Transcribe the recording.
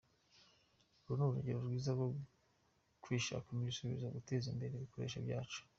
Uru ni urugero rwiza rwo kwishakamo ibisubizo duteza imbere ibikorerwa iwacu.